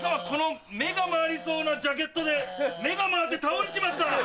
この目が回りそうなジャケットで目が回って倒れちまった。